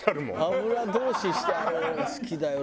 油通ししてあるの好きだよね。